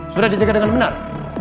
sudah dijaga dengan benar